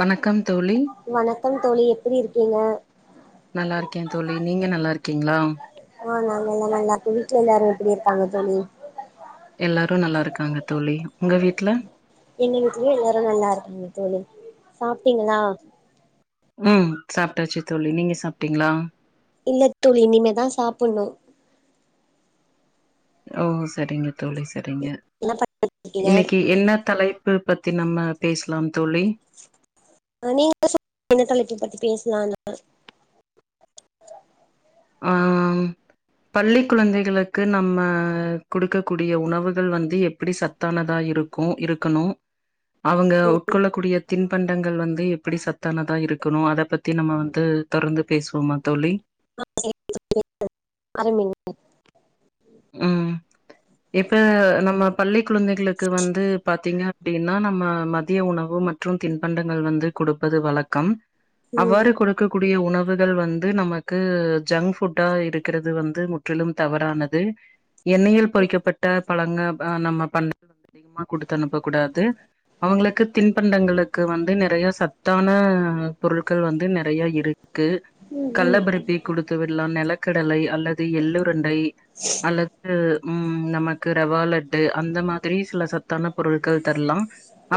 வணக்கம் தோழி வணக்கம் தோழி எப்டி இருக்கீங்க நல்லா இருக்கேன் தோழி நீங்க நல்லா இருக்கீங்களா நா நல்லா இருக்கே வீட்டுல எல்லாரும் எப்டி இருக்காங்க தோழி எல்லாரு நல்லா இருக்காங்க தோழி உங்க வீட்டுல எங்க வீட்லயும் எல்லாரு நல்லா இருக்காங்க தோழி சாப்ட்டீங்களா உம் சாப்டாச்சு தோழி நீங்க சாப்ட்டீங்களா இல்ல தோழி இனிமே தா சாப்பணும் ஓ சரிங்க தோழி சரிங்க என்ன பண்ணிட்ருக்கீங்க இன்னிக்கு என்ன தலைப் பு பத்தி நம்ம பேசலாம் தோழி ஹ நீங்க சொ என்ன தலைப்பு பத்தி பேசலா அ பள்ளி குழந்தைகளுக்கு நம்ம கொடுக்கக்கூடிய உணவுகள் வந்து எப்டி சத்தானதா இருக்கு இருக்கணு அவங்க உட்கொள்ளக்கூடியத் தின்பண்டங்கள் வந்து எப்டி சத்தானதா இருக்கணு அத பத்தி நம்ம வந்து தொடர்ந்து பேசுவோமா தோழி [unintelligible] அறு மினிம் உம் இப்ப நம்ம பள்ளிக் குழந்தைகளுக்கு வந்து பாத்தீங்க அப்டின்னா நம்ம மதிய உணவு மற்றும் தின்பண்டங்கள் வந்து கொடுப்பது வழக்கம் ம் அவ்வாறு கொடுக்கக் கூடிய உணவுகள் வந்து நமக்கு ஜங்க் ஃபுட்டா இருக்கிறது வந்து முற்றிலும் தவறானது எண்ணெயில் பொறிக்கப்பட்ட பழங்க நம்ம பண்டங்ஙள் வந்து அதிகமா கொடுத்து அனுப்பக்க கூடாது அவங்களுக்கு தின் பண்டங்களுக்கு வந்து நெறைய சத்தான பொருட்கள் வந்து நெறைய இரு க்கு ம் கள்ள ம் பருப்பி குடுத்து ல்லா நெலக்கடலை அல் லது எள்ளுருண்டை [unintelligible] உம் நமக்கு ரவாலட்டு அந்த மாதிரி சில சத்தான பொருட்கள் தரலா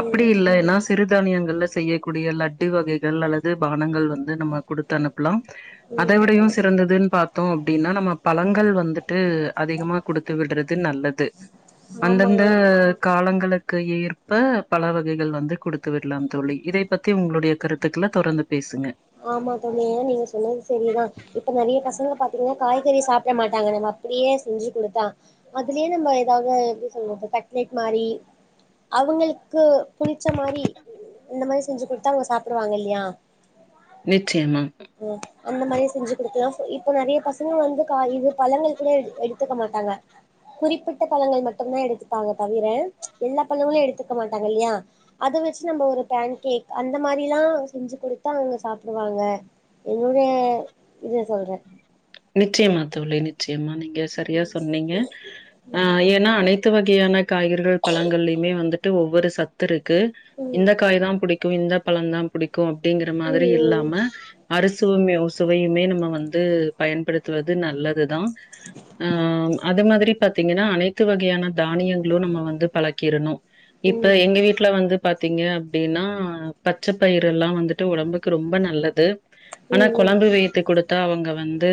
அப்டி இல்ல ஏனா சிறு தானியங்கள்ல செய்யக்கூடிய லட்டு வகைகள் அல்லது பானங்கள் வந்து நம்ம கொடுத்தா அனுப் ளாம் அத ம் விடையும் சிறந்ததின் பார்த்தோ அப்டின்னா நம்ம பழங்கள் வந்துட்டு அதிகமா குடுத்து விடுறது நல்லது ஆமா அந்தந்த கா லங்களுக்கேற்ப பழ வகைகள் வந்து குடுத்து விடலா தோழி இத பத்தி உங்களுடைய கருத்துக்களை தொடர்ந்து பேசுங்க ஆமா தோழியே நீங்க சொன்னது சரிதா இப்போ நறைய பசங்கள பா த்தீங்கனா காய்கறி சாப்ட மாட்டாங்க நம்ம அப்டியே செஞ்சி குடுத்தா அதுலயே நம்ம ஏதாவது எப்டி சொல்றது கட்லெட் மாறி அவங்களுக்கு புளிச்ச மாறி இந்த மாறி செஞ்சி குடுத்தா அவுங்க சாப்புடுவாங்க இல்லையா நிச்சயமா ம் அந்த மாரி செஞ்சி குடுத்தா இப்ப நெறைய பசங்க வந்து கா இது பழங்கள் கூட எடு எடுத்துக்க மாட்டாங்க குறிப்பிட்ட பழங்கள் மட்டும்தா எடுத்துப்பாங்க தவிர எல்லா பழங்களு எடுத்துக்க மாட்டாங்க இல்லையா அத வெச்சி நம்ம ஒரு பேன் கேக் அந்த மாறில்லா செஞ்சி குடுத் தா அவுங்க சாப்புடுவாங்க என்னுடைய இத சொல்ற நிச்சயமா தோழி நிச்சயமா நீங் க சரியா சொன்னைக ஆ ஏன்னா அனைத் துவகையானக் காய்கறிகள் பழங்களேமே வந்து து ஒவ்வொரு சத்துருக் கு ம் இந்த காய்தா புடிக் கும் இந்த பழந்தா பிடிக் கோ அப்டிங்கற மாதிரி ம் இல்லாம அறுசுவமே ஒ சுவையுமே நம்ம வந்து பயன்படுத்துவது நல்லது தா ஆ அது மாதிரி ரி பாத்தீங்கன்னா அனைத்து வகையான தானியங்களோ நம்ம வந்து பலக்கிருணோ இப்ப ம் எங்க வீட்ல வந்து பாத்தீங்க அப்டீன்னா பச்ச பயிருலாம் வந்துட்டு ஒடம்புக்கு ரொம்ப நல்லது ஆனா ம் கொலம்பு வெய்த்து குடுத் தா அவுங்க வந் து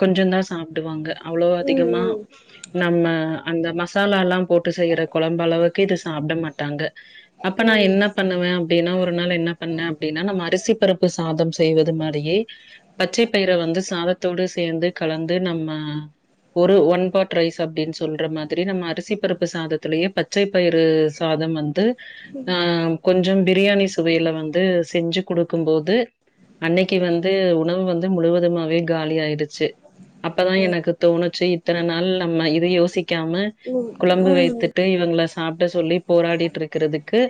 கொஞ்சோதா சாப்பிடுவாங்க அவ்ளோ ம் அதிகமா ம் நம்ம அந்த மசா லால்லா போட்டு செய்யற கொலம்பு அளவுக்கு இது சாப்பட மாட்டாங்க அப்ப நான் ம் ம் என்ன பண்ணுவ அப்டின்னா ஒரு நாள் என்ன பண்ணன் அப்டீன்னா நம்ம அரிசி பருப்பு சாதம் செய்வது மாரியே பச்சை பயிர வந்து சாதத் த்தோடு சேந்து கலந்து நம்ம ஒரு ஒன் பாட் ரைஸ் அப்டின்னு சொல்ற மாரி நம்ம அரிசி பருப்பு சாதத்திலயே பச்சை பயிறு சாதம் வந்து ஆ கொஞ்சம் பிரியாணி சுவையில வந்து செஞ்சு குடுக்கும் போது அன்னைக்கி வந்து உணவு வந்து முலுவதுமாவே காலியாடுச்சு அப்பதா ம் எனக்கு தோணுச்சு இத்தன நாள் நம்ம இது யோசி க்காம ம் குலம்பு ம் ம் வைத்துட்டு இவுங்கள சாப்பட சொல்லி போராடிட்டு இருக்கிறதுக்கு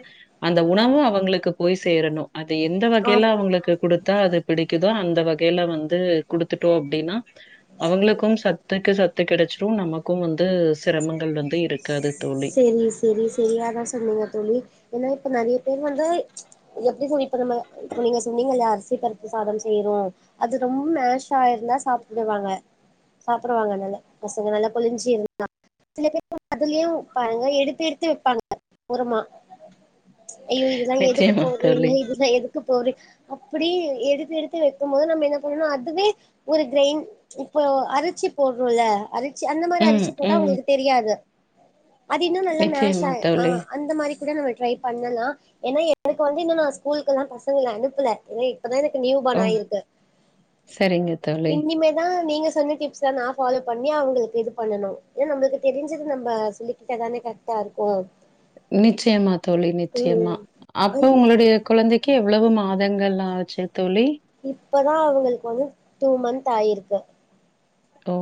அந்த உணவும் அவுங்களுக்கு போய் சேரணு அது எந்த வகையில ஆமா அவங்களுக்கு குடுத்தா அது பிடிக்குதோ அந்த வகையில வந் து குடுத்துட்டோ அப்டின்னா அவுங்களுக்கும் சத்துக்கு சத்து கெடச்சி ரும் நமக்கும் வந்து சிரமங்கள் வந்து இருக் செரி செரி செரி அதா சொன்னீங்க தோழி ஏன்னா இப்ப நெறிய பேர் வந்து எப்டி சொல்லி அப்புறம இப்ப நீங்க சொன்னீங்கல்லா அர்ஸ் சி பருப்பு சாதம் செய்யறோம் அது ரொம்ப மேஷா ஆயிருந்தா சாப்புடுவாங்க சாப்புடுவாங்க நல்லா பசங்க நல்லா கொளிஞ்சி இருந்தா சில பேர் [unintelligible] அதுலியு பாருங்க எடுத்து எடுத்து வெப்பாங்க ஓரமா ஐய்யோ இதுலா எதுக்கு நிச்சயமா போறிங்க தோழி. இதுலா எதுக்கு போறி அப்பிடி எடுத்து எடுத்து வைக்கும் போது நம்ம என்ன பண்ணனு அதுவே ஒரு கிரைண் இப்போ அரச்சி போடுறோல்ல அரிச் சி அந்த மாரி ம், அரிச்சு போட்டா ம். அவுங்களுக்கு தெரியாது அது இன்னு நல்லா மேஷ் நிச்சயமா ஆய் தோழி. ஆஹ் அந்த மாரி ங்க நம்ம ட்ரை பண்ணலா ஏன்னா எனக்கு வந்து இன்னு நா ஸ்கூல்குலா பசங்கள அனுப்புல வெய்ட் இப்பதா எனக்கு நியூ ஓ! பார்ன் ஆயிருக்கு சரிங்க தோழி. இன்னிமேதா நீங்க சொன்ன டிப்ஸ் தா நா ஃபாலோ பண்ணி அவுங்களுக்கு இது பண்ணணு ஏ நம்பளுக்கு தெரிஞ்சது நம்ப சொல்லி கொடுத்தாதானே கர்ட்டாருக்கோ நிச்சயமா தோழி நிச்சயமா அப்ப ம் உங்களுடைய கொழந்தைக் கி எவ்ளவு மாதங்கள் ஆச்சி தோழி பதா அவுங்களுக்கு வந்து டூ மன்த் ஆயிருக்கு ஓ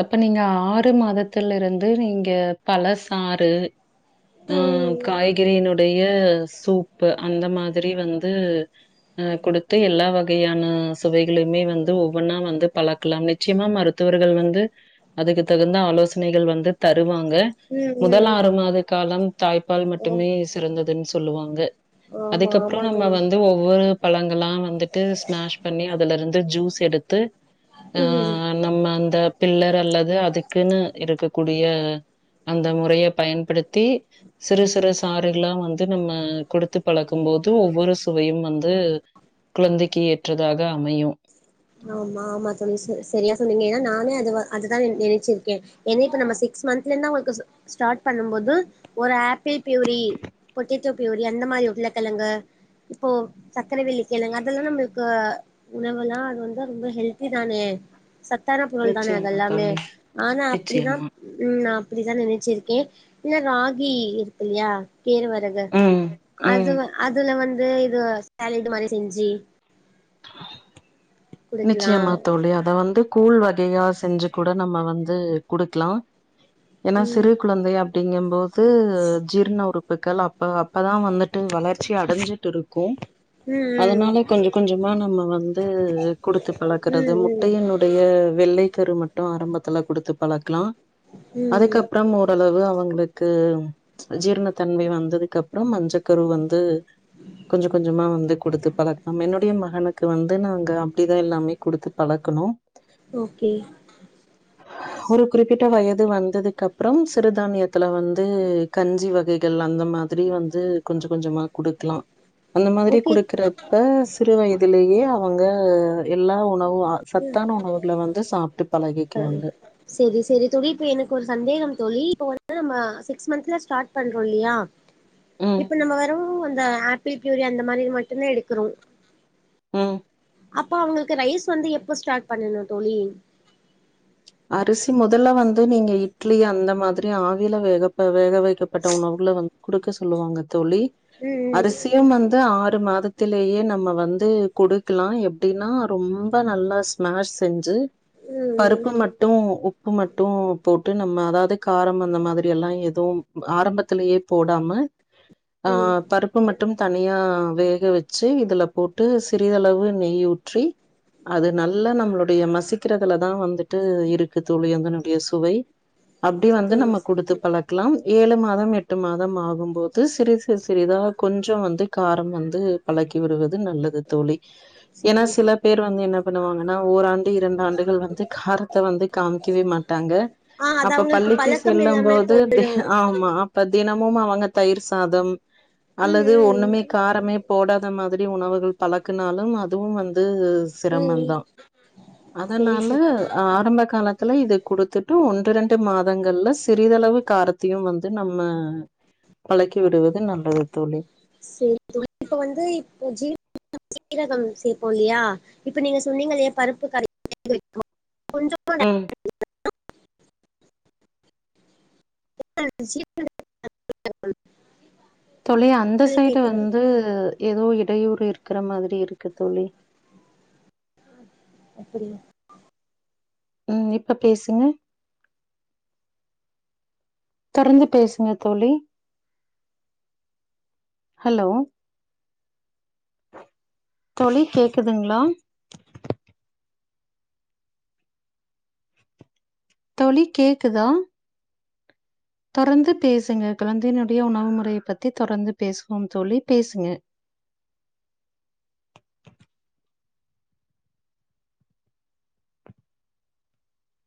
அப்ப நீங்க ஆறு மாதத்துலருந்து நீங்க பழசாறு ஆஹ் ம் காய்கறி இன்னோ டைய சூப்பு அந்த மாதிரி வந்து அஹ் குடுத்து எல்லா வகையான சுவைகளுமே வந்து ஒவ்வொன்னா வந்து பலக்கலாம் நிச்சயமா மரு த்துவர்கள் வந்து அதுக்கு தகுந்த ஆலோசனைகள் வந்து தருவாங் க ம் ம் முதலாறு மாத காலம் தாய்ப்பால் மட்டுமே ஆம் சிறந்ததுன் ஸ் சொல்லுவாங்க ஆமா அதுக்கப்றோ ஆமா நம்ம தோழி வந்து ஒவ்வொரு பழங் கள்ளாம் வந்துட்டு ஸ்மேஷ் பண்ணி அதுலருந் து ஜூஸ் எடுத்து ஆ ம் நம்ம அந்த பில்லர் அல்லது அதுக்குன்னு இருக்ககூடிய அந்த முறைய பயன்படுத் தி சிறு சிறு சாறுகல்லா வந்து நம்ம கொடுத்து பழக்கும் போது ஒவ்வொரு சுவையும் வந்து குழந்தைக்கி ஏற்றதாக அமையு ஆமா ஆமா தோழி ச சரியா சொன்னிங்க ஏனா நானு அது அதுதா நி நினைச்சிர்க்கே என்னைக்கு நம்ம சிக்ஸ் மன்த்லந்தா உங்களுக்கு ச ஸ்டார்ட் பண்ணும்போது ஒரு ஆப்பிள் பியூரி பொட்டேட்டோ பியூரி அந்த மாரி உருளக்கிழங்கு இப்போ சக்கரைவெள்ளி கிழங்கு அதெல்லா நம்மளுக்கு உணவலா அது வந் து ரொம்ப ஹெல்தி தானே ச த்தான பொருள் தானே நிச்சயமா அதெல்லாமே தோழி. ஆனா அப்பிடிதா நிச்சயமா. ம் நா அப்பிடிதா நினச்சிருக்கே இன்ன ராகி இருக்கில்லையா கேழ்வரகு ம். அது ம். வ அதுல வந் து இது சாலடு மாரி செஞ்சி நிச்சயமா தோழி அத வந்து கூழ் வகையா செஞ்சு கூட நம்ம வந்து குடுக்லா ஏன்னா ம் சிறு குழந்தைய அப்டிங்கபோ து ஜீர்ண உ றுப்புக்கள் அப்ப அப்பதா வந்துட்டு வளர்ச்சி அடஞ்சிட்டு இருக்கு ம் அதனால கொஞ்சோ கொஞ்சோ மா நம்ம வந்து குடுத்து பழக்றது ம் ம் முட்டையினுடைய வெள்ளை கரு மட்டு ஆரம்பத்துல குடுத்து பழக்கலா ம் அதுகப்றோ ஓரளவு அவங்க உங்களுக்கு ஜீரணத்தன்மை வந்ததுக்கு அப்றோ மஞ்ச கரு வந்து கொஞ்சோ கொஞ்சமா வந்து குடுத்து பழகலாம் என்னுடைய மகனுக்கு க்கு வந்து நாங்க அப்டி தா எல்லாமே குடுத்து பழக்கனோ ஓகே ட்ட வயது வந்ததுக்கு அப்றம் சிறுதானியத்துல வந்து கஞ்சி வகைகள் அந்த மாதிரி வந்து கொஞ்சோ கொஞ்சமா குடுக்லா அந்த மாதிரி ஓகே குடுக்றப்ப சிறு வயதுலேயே அவுங்க எல்லா உணவு சத்தான உணவுகள வந்து சாப்ட்டு பழகிக்குவாங்க செரி செரி தோழி இப்ப எனக்கு ஒரு சந்தேகம் தோழி இப்ப வந்து நம்ம சிக்ஸ் மந்த்ல ஸ்டார்ட் பண்றோ இல்லியா ம், இப்ப நம்ம வற வந்து இந்த ஆப்பிள் ப்யூரி அந்த மாரி மட்டு தா எடுக்றோ உம் அப்ப அவங்களுக்கு ரைஸ் வந்து எப்ப ஸ்டார்ட் பண்ணணு தோழி அரிசி மொதல்ல வந்து நீங்க இட்லி அந்த மாதிரி ஆவில வேகப்ப வேக வைக்கப்பட்ட உணவுல வந்து குடுக்க சொல்லுவாங்க தோழி ம் அரிசியும் வந்து ஆறு மாத த்திலேயே நம்ம வந்து கொடுக்கலா எப்டின்னா ரொம்ப நல்லா ஸ்மாஷ் செஞ்சு ம் ம் பருப்பு மட் ரு உப்பு மட்டு போட்டு நம்ம அதாவது காரம் அந்த மாதிரில்லா எதுவும் ஆரம்பத்திலயே போடாம ம் ஆஹ் பருப்பு மட்டும் தனியா வேக வச்சு இதுல போட்டு சிறிதளவு நெய் ஊற்றி அது நல்லா நம்ளுடைய மசிக்கிறதுல தா வந்துட்டு இருக்கு தோழி அதனுடைய சுவை அப்டி வந்து செரி நம்ம குடுத்து பழக் இருக்லா ஏழு மாதம் எட்டு மாதம் ஆகும்போது சிறிது சிறிது சிறிதா கொஞ்சோ வந்து வந்து காரம் வந்து பழக்கி விடுவது நல்லது தோழி ஏன்னா சில பேர் வந்து என்ன பண்ணுவாங்கன்னா ஓராண்டு இரண்டு ஆண்டுகள் வந்து காரத் காமிக்கவே மாட்டாங்க ஆ அது அப்ப அவங்களுக்கு பள்ளிக்கு பழக்கம் செல்லும் இல்லாம போது போயிடு ஆமா இப்ப தினமும் அவங்க தயிர் சாதம் ம் அல்லது ம் ஒண்ணுமே காரமே போடாத மாதிரி உணவுகள் பழக்குணாலும் அதுவும் வந்து சிரமம் ம் தான் செரி அதனால செரி ஆ ஆரம்ப காலத்துல இது குடுத்துட்டு ஒன்று ரெண்டு மாதங்கள்ல சிறிதளவு காரத்தையு வந்து நம்ம பழக்கி விடுவது நல்லது தோழி சரி இப்ப வந்து இப்ப ஜி சீரகம் சே்ப்போம் இல்லையா இப்ப நீங்க சொன்னீங்கலயா பருப்பு கரை [inaudible] உஹம் [unintelligible] தொலை அந்த சைடு கேக்குறேன் வந்து ஏதோ இடையூறு இருக்கிற மாதிரி இருக்கு தோழி. அப்புடியா ம் இப்ப பேசுங்க தொடர்ந்து பேசுங்க தோழி ஹலோ தோழி கேக்குதுங்ளா தோழி கேக்குதா தொரந்து பேசுங்க குழந்தையினுடைய உணவு முறைய பத்தி தொரந்து பேசுவோ தோழி பேசுங்க